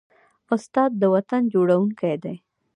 استاد د وطن جوړوونکی دی.